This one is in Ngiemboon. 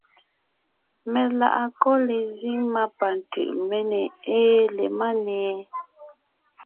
Meláʼakɔ́ lezíŋ má pa Tʉʼméne ée le Máne?